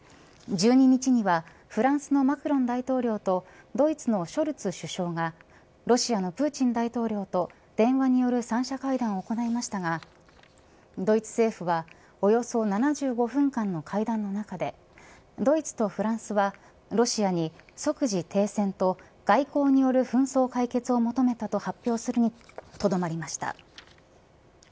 １２日にはフランスのマクロン大統領とドイツのショルツ首相がロシアのプーチン大統領と電話による三者会談を行いましたがドイツ政府はおよそ７５分間の会談の中でドイツとフランスはロシアに即時停戦と外交による紛争解決を求めたと発表するにとどまりました。